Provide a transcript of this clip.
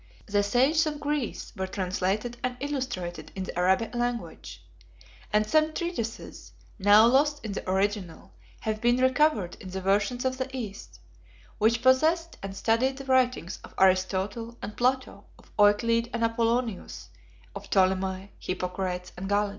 The sages of Greece were translated and illustrated in the Arabic language, and some treatises, now lost in the original, have been recovered in the versions of the East, 56 which possessed and studied the writings of Aristotle and Plato, of Euclid and Apollonius, of Ptolemy, Hippocrates, and Galen.